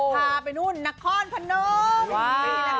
ผ่าไปทุกวันน้ังคอนเพราะน้ำ